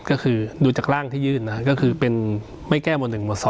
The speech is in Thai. ก็คือดูจากร่างที่ยื่นนะครับ